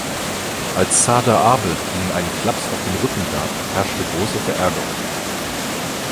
Als Sada Abe Ihnen einen Klaps auf den Rücken gab, herrschte große Verärgerung.